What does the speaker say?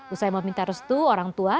usai meminta restu orang tua